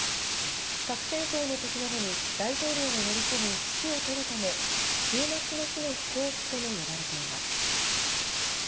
核戦争のときなどに大統領が乗り込み、指揮を執るため終末の日の飛行機とも呼ばれています。